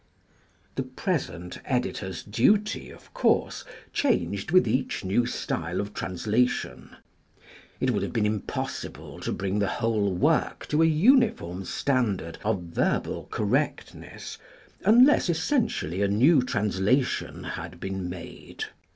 The present editor's duty, of course, changed with each new style of translation. It would have been impossible to bring the whole work to a uniform standard of verbal correctness, unless essentially a new translation had been made.